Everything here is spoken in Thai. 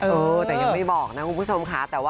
เออแต่ยังไม่บอกนะคุณผู้ชมค่ะ